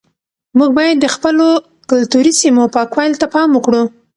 موږ باید د خپلو کلتوري سیمو پاکوالي ته پام وکړو.